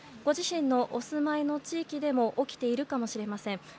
ご自身のお住まいの地域でも起きているかもしれません。